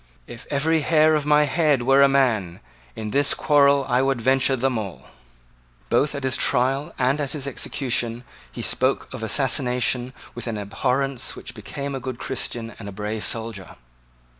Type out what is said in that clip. If every hair of my head were a man, in this quarrel I would venture them all." Both at his trial and at his execution he spoke of assassination with the abhorrence which became a good Christian and a brave soldier.